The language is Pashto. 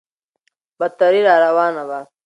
بدتري راروانه وه.